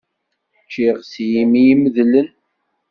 Ččiɣ s yimi imedlen.